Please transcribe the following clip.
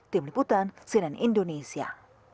tim liputan sinan indonesia